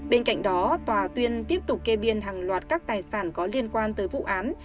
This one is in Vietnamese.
bên cạnh đó tòa tuyên tiếp tục kê biên hàng loạt các tài sản có liên quan tới vụ án